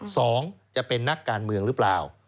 สองจะเป็นนักการเมืองหรือเปล่า